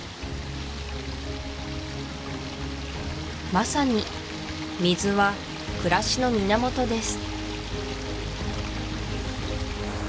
まさに水は暮らしの源です